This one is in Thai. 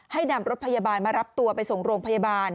นำรถพยาบาลมารับตัวไปส่งโรงพยาบาล